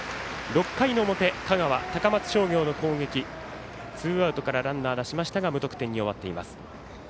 ６回の表、香川、高松商業の攻撃ツーアウトからランナー出しましたが無得点に終わっています。